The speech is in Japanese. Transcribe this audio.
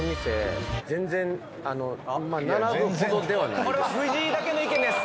知ってるこれは藤井だけの意見です